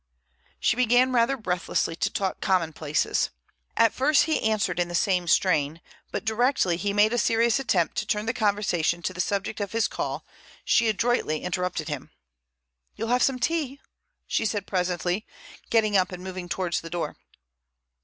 She began rather breathlessly to talk commonplaces. At first he answered in the same strain, but directly he made a serious attempt to turn the conversation to the subject of his call she adroitly interrupted him. "You'll have some tea?" she said presently, getting up and moving towards the door.